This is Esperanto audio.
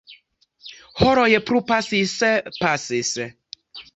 Horoj plu pasis, pasis.